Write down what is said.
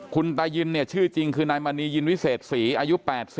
คุณตายินเนี่ยชื่อจริงคือนายมณียินวิเศษศรีอายุ๘๐